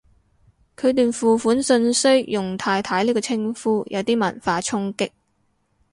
佢段付款訊息用太太呢個稱呼，有啲文化衝擊